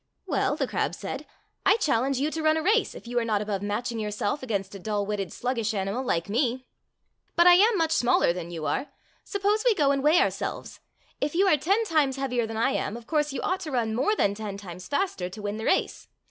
"Well," the crab said, "I challenge you to run a race if you are not above matching yourself against a dull witted, sluggish ani 206 Fairy Tale Foxes mal like me? But I am much smaller than you are. Suppose we go and weigh oiu'selves. If you are ten times heavier than I am, of course you ought to run more than ten times faster to win the race.